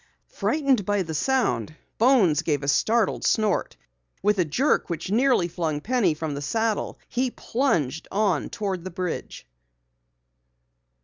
Frightened by the sound, Bones gave a startled snort. With a jerk which nearly flung Penny from the saddle, he plunged on toward the bridge.